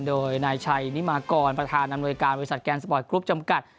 โดยนายชัยนิมากรประธานอำนวยการบริษัทแกนสปอร์ตกรุ๊ปจำกัด